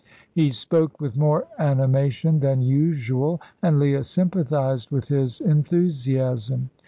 He spoke with more animation than usual, and Leah sympathised with his enthusiasm.